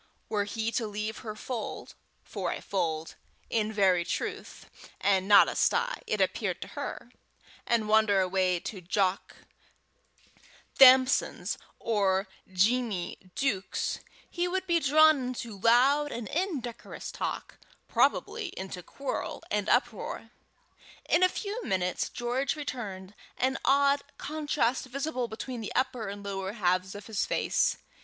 Were he to leave her fold for a fold in very truth, and not a sty, it appeared to her and wander away to Jock Thamson's or Jeemie Deuk's, he would be drawn into loud and indecorous talk, probably into quarrel and uproar. In a few minutes George returned, an odd contrast visible between the upper and lower halves of his face.